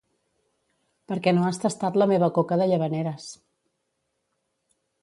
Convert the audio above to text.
Perquè no has tastat la meva coca de Llavaneres